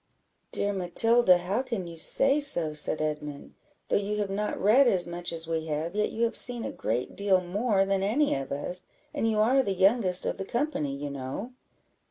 "Dear Matilda, how can you say so?" said Edmund; "though you have not read as much as we have, yet you have seen a great deal more than any of us, and you are the youngest of the company, you know.